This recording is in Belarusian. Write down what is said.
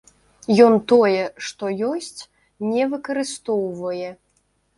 Ён тое, што ёсць, не выкарыстоўвае.